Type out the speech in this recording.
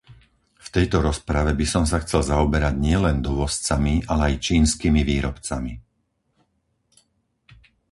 V tejto rozprave by som sa chcel zaoberať nielen dovozcami, ale aj čínskymi výrobcami.